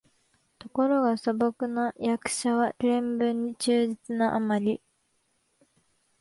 ところが素朴な訳者は原文に忠実なあまり、